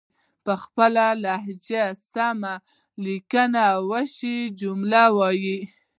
خپلې لهجې سره سمې ليکل شوې جملې وايئ